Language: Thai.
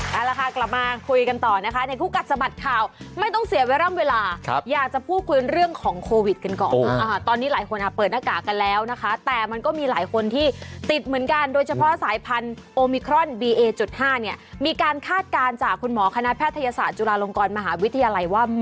เอาละค่ะกลับมาคุยกันต่อนะคะในคู่กัดสะบัดข่าวไม่ต้องเสียเวลาอยากจะพูดคุยเรื่องของโควิดกันก่อนตอนนี้หลายคนเปิดหน้ากากกันแล้วนะคะแต่มันก็มีหลายคนที่ติดเหมือนกันโดยเฉพาะสายพันธุ์โอมิครอนบีเอจุดห้าเนี่ยมีการคาดการณ์จากคุณหมอคณะแพทยศาสตร์จุฬาลงกรมหาวิทยาลัยว่า